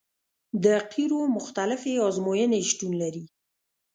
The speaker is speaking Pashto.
د قیرو مختلفې ازموینې شتون لري